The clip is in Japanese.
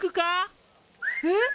えっ？